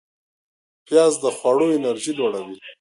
پیاز د خواړو انرژی لوړوي